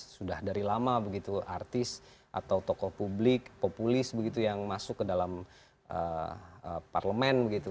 sudah dari lama begitu artis atau tokoh publik populis begitu yang masuk ke dalam parlemen begitu